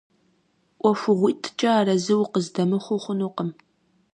ӀуэхугъуитӀкӀэ арэзы укъыздэмыхъуу хъунукъым.